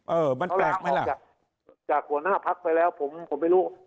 เออมันแปลกไหมล่ะจากหัวหน้าพักไปแล้วผมผมไม่รู้